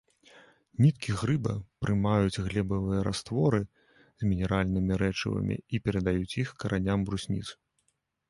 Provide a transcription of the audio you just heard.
Ніткі грыба прымаюць глебавыя растворы з мінеральнымі рэчывамі і перадаюць іх караням брусніц.